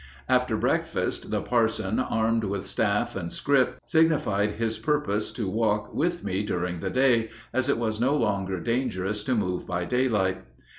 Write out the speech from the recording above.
After breakfast the parson, armed with staff and scrip, signified his purpose to walk with me during the day, as it was no longer dangerous to move by daylight.